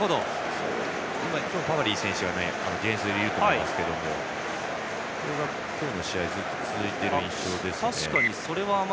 パパリイ選手がディフェンスにいると思いますがこれが今日の試合ずっと続いている印象です。